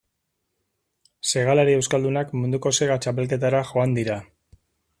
Segalari euskaldunak munduko sega txapelketara joan dira.